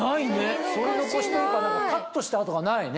剃り残しというかカットした痕がないね。